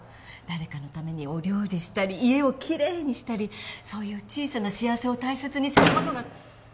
誰かのためにお料理したり家を奇麗にしたりそういう小さな幸せを大切にすることが。